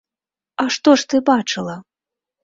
А што ж ты бачыла?